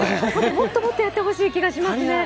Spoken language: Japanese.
もっともっとやってほしい気がしますね。